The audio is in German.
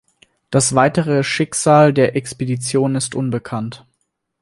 Das weitere Schicksal der Expedition ist unbekannt.